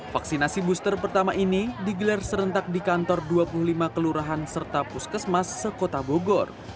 vaksinasi booster pertama ini digelar serentak di kantor dua puluh lima kelurahan serta puskesmas sekota bogor